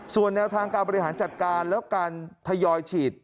ส่วนแนวทางการบริหารจัดการแล้วการทยอยฉีด